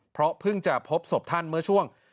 เพราะเพิ่งจะพบศพท่านเมื่อช่วง